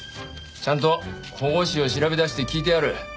ちゃんと保護司を調べ出して聞いてある。